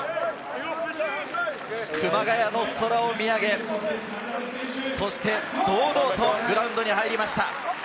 熊谷の空を見上げ、そして堂々とグラウンドに入りました。